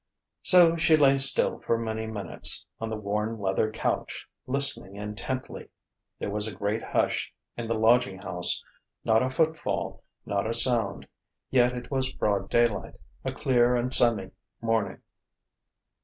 So she lay still for many minutes, on the worn leather couch, listening intently. There was a great hush in the lodging house: not a foot fall, not a sound. Yet it was broad daylight a clear and sunny morning.